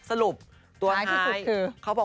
สรุปตัวท้าย